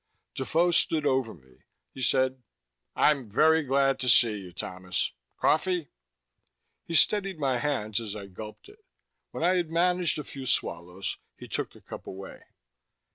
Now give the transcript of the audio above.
Defoe stood over me. He said, "I'm very glad to see you, Thomas. Coffee?" He steadied my hands as I gulped it. When I had managed a few swallows, he took the cup away.